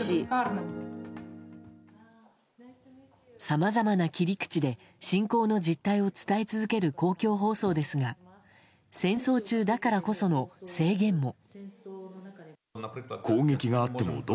さまざまな切り口で侵攻の実態を伝え続ける公共放送ですが戦争中だからこその制限も。